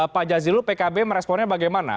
pak jazilul pkb meresponnya bagaimana